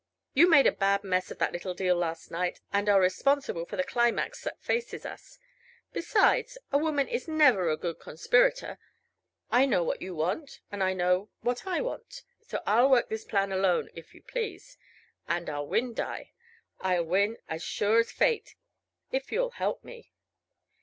You made a bad mess of that little deal last night, and are responsible for the climax that faces us. Besides, a woman is never a good conspirator. I know what you want; and I know what I want. So I'll work this plan alone, if you please. And I'll win, Di; I'll win as sure as fate if you'll help me."